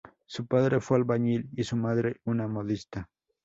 Su padre fue albañil y su madre una modista.